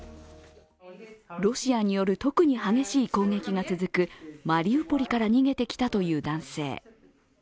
ロシアによる特に激しい攻撃が続くマリウポリから逃げてきたという男性。